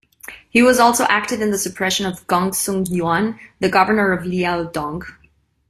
He was also active in the suppression of Gongsun Yuan, the governor of Liaodong.